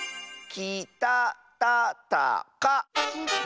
きたたたた！